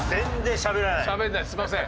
しゃべらないすいません。